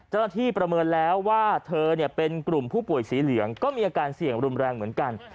ประเมินแล้วว่าเธอเป็นกลุ่มผู้ป่วยสีเหลืองก็มีอาการเสี่ยงรุนแรงเหมือนกัน